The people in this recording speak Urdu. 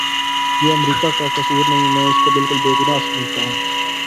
یہ امریکہ کا کسور نہیں میں اس کو بالکل بے گناہ سمجھتا ہوں